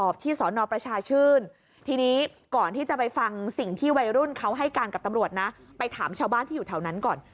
บ้านที่อยู่แถวนั้นก่อน